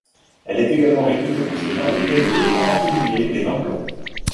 Elle est également réputée pour ses vins de qualité, en particulier les vins blancs.